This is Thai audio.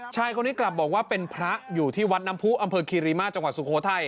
ชายคนนี้กลับบอกว่าเป็นพระอยู่ที่วัดน้ำผู้อำเภอคีรีมาจังหวัดสุโขทัย